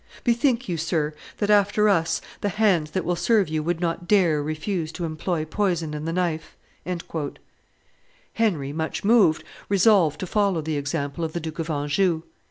Bethink you, sir, that, after us, the hands that will serve you would not dare refuse to employ poison and the knife." Henry, much moved, resolved to follow the example of the Duke of Anjou.